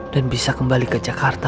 dan bisa kembali ke jakarta